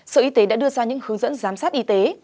sở y tế đã đưa ra những hướng dẫn giám sát y tế